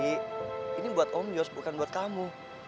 li ini buat om yus bukan buat kamu